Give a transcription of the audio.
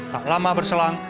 tak lama berselang